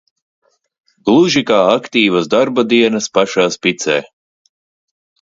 Gluži kā aktīvas darba dienas pašā spicē.